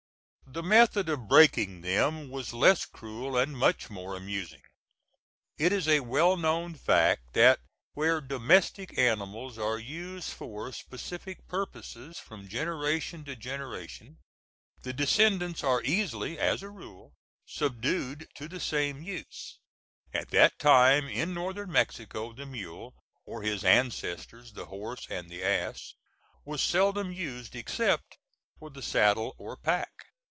The method of breaking them was less cruel and much more amusing. It is a well known fact that where domestic animals are used for specific purposes from generation to generation, the descendants are easily, as a rule, subdued to the same uses. At that time in Northern Mexico the mule, or his ancestors, the horse and the ass, was seldom used except for the saddle or pack.